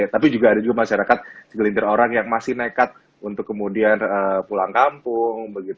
tapi juga ada juga masyarakat segelintir orang yang masih nekat untuk kemudian pulang kampung